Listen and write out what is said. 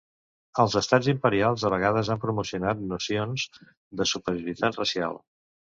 Els estats imperials a vegades han promocionat nocions de superioritat racial.